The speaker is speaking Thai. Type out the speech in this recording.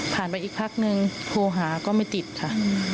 ไปอีกพักนึงโทรหาก็ไม่ติดค่ะ